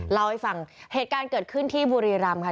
เล่าให้ฟังเหตุการณ์เกิดขึ้นที่บุรีรำค่ะ